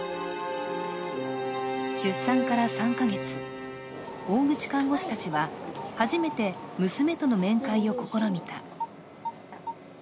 出産から３か月、大口看護師たちは初めて娘との面会を試みた。